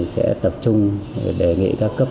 sẽ tập trung đề nghị các cấp